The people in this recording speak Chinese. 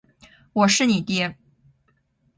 我是你爹！